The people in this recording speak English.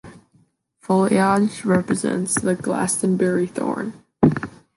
Foliage represents the Glastonbury Thorn.